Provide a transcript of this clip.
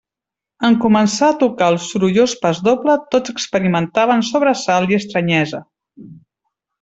En començar a tocar el sorollós pasdoble, tots experimentaven sobresalt i estranyesa.